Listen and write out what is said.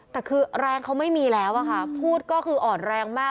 แต่คือแรงเขาไม่มีแล้วอะค่ะพูดก็คืออ่อนแรงมาก